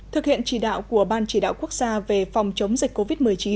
thực hiện chỉ đạo của ban chỉ đạo quốc gia về phòng chống dịch covid một mươi chín